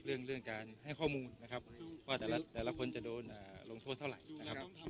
เรื่องการให้ข้อมูลนะครับว่าแต่ละคนจะโดนลงโทษเท่าไหร่นะครับ